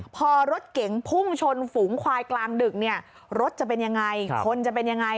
พอรถเก๋งพุ่งชนฝูงควายกลางดึกเนี่ยรถจะเป็นยังไงคนจะเป็นยังไง